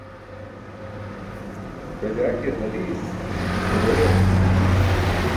Rajaakiyar ġaliis, xudeeyar diin.